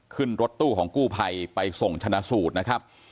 ขึ้นรถตู้ของกู้ภัยไปส่งชนะสูตรนะครับ